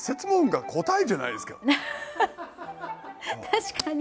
確かに。